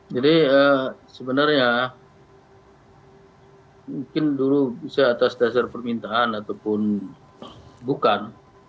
sebenarnya mungkin dulu bisa atas dasar permintaan ataupun bukan